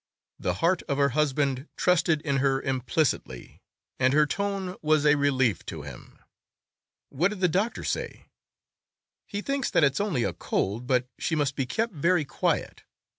The heart of her husband trusted in her implicitly, and her tone was a relief to him. "What did the doctor say?" "He thinks that it's only a cold, but she must be kept very quiet.